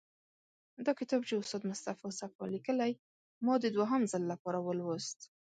دا کتاب چې استاد مصطفی صفا لیکلی، ما د دوهم ځل لپاره ولوست.